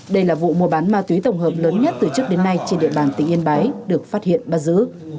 đây là vụ mua bán ma túy tổng hợp lớn nhất từ trước đến nay trên địa bàn tỉnh yên bái được phát hiện bắt giữ